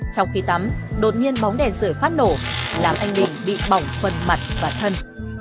trong khi tắm đột nhiên bóng đèn sửa phát nổ làm anh bình bị bỏng phần mặt và thân